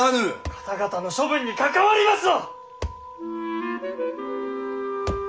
方々の処分に関わりますぞ！